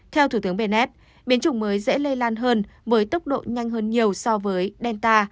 theo thủ tướng benned biến chủng mới dễ lây lan hơn với tốc độ nhanh hơn nhiều so với delta